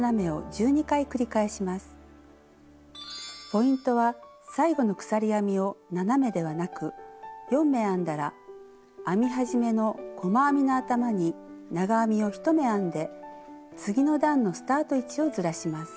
ポイントは最後の鎖編みを７目ではなく４目編んだら編み始めの細編みの頭に長編みを１目編んで次の段のスタート位置をずらします。